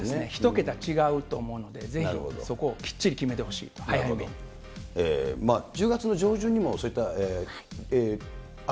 １桁違うと思うので、ぜひ、そこをきっちり決めてほしいと思います。